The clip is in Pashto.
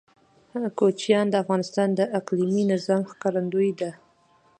کوچیان د افغانستان د اقلیمي نظام ښکارندوی ده.